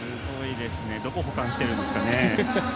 どこに保管しているんですかね。